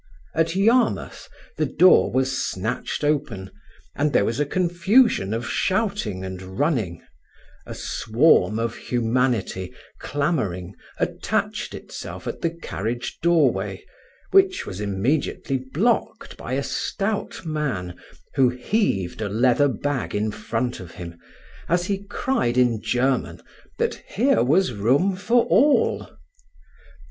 At Yarmouth the door was snatched open, and there was a confusion of shouting and running; a swarm of humanity, clamouring, attached itself at the carriage doorway, which was immediately blocked by a stout man who heaved a leather bag in front of him as he cried in German that here was room for all.